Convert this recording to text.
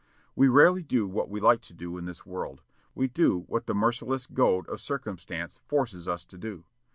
We rarely do what we like to do in this world; we do what the merciless goad of circumstance forces us to do.